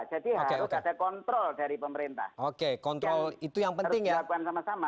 jadi harus ada kontrol dari pemerintah